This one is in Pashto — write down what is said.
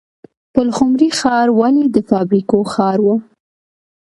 پلخمري ښار ولې د فابریکو ښار و؟